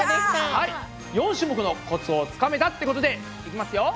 ４種目のコツをつかめたってことでいきますよ！